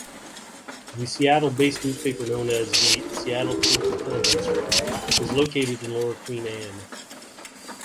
The Seattle-based newspaper known as the "Seattle Post-Intelligencer" is located in Lower Queen Anne.